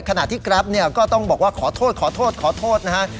ขณะที่กราฟก็ต้องบอกว่าขอโทษนะฮะ